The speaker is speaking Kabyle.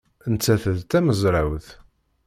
Nettat d tamezrawt.